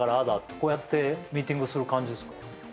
こうやってミーティングする感じですか？